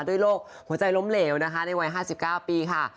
ด้วยโรคหัวใจล้มเหลวในวัย๕๙ปีค่ะ